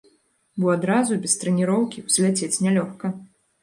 Бо адразу, без трэніроўкі, узляцець нялёгка.